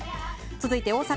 続いて、大阪。